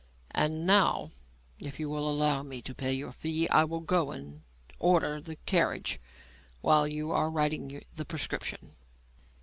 And now, if you will allow me to pay your fee, I will go and order the carriage while you are writing the prescription."